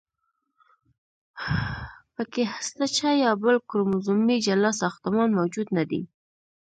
پکې هستچه یا بل کروموزومي جلا ساختمان موجود نه دی.